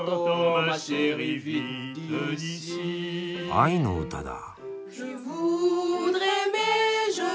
愛の歌だ。